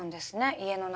家の中。